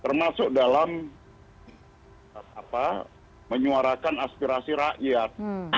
termasuk dalam menyuarakan aspirasi rakyat